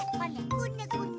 こねこね。